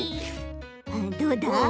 どうだ？